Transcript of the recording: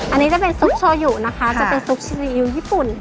อันนี้จะเป็นซุปโชว์อยู่นะคะจะเป็นซุปซีอิ๊วญี่ปุ่น